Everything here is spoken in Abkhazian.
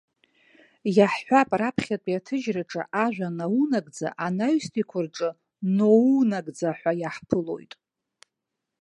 Иаҳҳәап, раԥхьатәи аҭыжьраҿы ажәа наунагӡа анаҩстәиқәа рҿы ноунагӡа ҳәа иаҳԥылоит.